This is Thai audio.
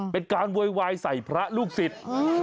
เป็นการโวยวายใส่พระลูกศิษย์